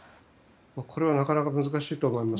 これはなかなか難しいと思います。